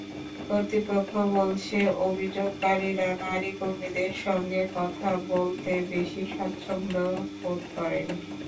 কর্তৃপক্ষ বলছে, অভিযোগকারীরা নারী কর্মীদের সঙ্গে কথা বলতে বেশি স্বাচ্ছন্দ্য বোধ করেন।